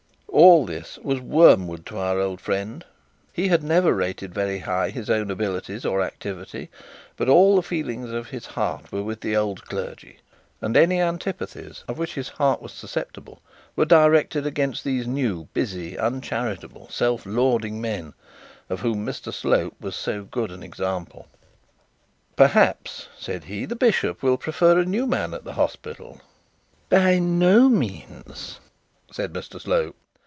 All this was wormwood to our old friend. He had never rated very high his own abilities or activity; but all the feelings of his heart were with the old clergy, and any antipathies of which his heart was susceptible, were directed against those new, busy uncharitable, self lauding men, of whom Mr Slope was so good an example. 'By no means,' said Mr Slope.